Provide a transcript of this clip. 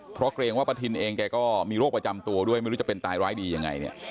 เพราะเกรงว่าประทินเองแกก็มีโรคประจำตัวด้วยไม่รู้จะเป็นตายร้ายดียังไงเนี่ย